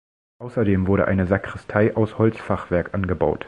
Außerdem wurde eine Sakristei aus Holzfachwerk angebaut.